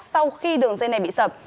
sau khi đường dây này bị sập